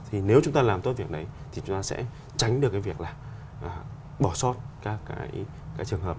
thì nếu chúng ta làm tốt việc này thì chúng ta sẽ tránh được cái việc là bỏ sót các cái trường hợp